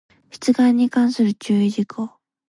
出願に関する注意事項